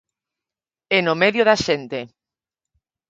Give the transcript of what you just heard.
E no medio da xente.